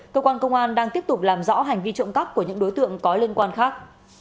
cơ quan công an đang tiếp tục làm rõ hành vi trộm cắp của những đối tượng có liên quan khác